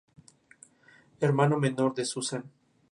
Hermano menor de Susan.